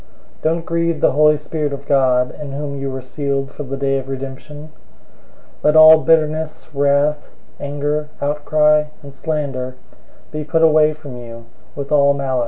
004:030 Don't grieve the Holy Spirit of God, in whom you were sealed for the day of redemption. 004:031 Let all bitterness, wrath, anger, outcry, and slander, be put away from you, with all malice.